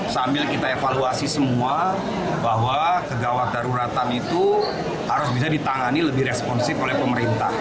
sambil kita evaluasi semua bahwa kegawat daruratan itu harus bisa ditangani lebih responsif oleh pemerintah